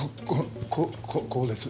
こうです。